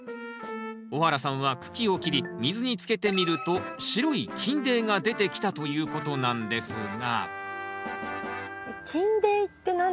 小原さんは茎を切り水につけてみると白い菌泥が出てきたということなんですが菌泥って何ですか？